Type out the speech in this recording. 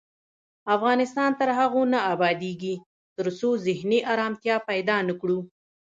افغانستان تر هغو نه ابادیږي، ترڅو ذهني ارامتیا پیدا نکړو.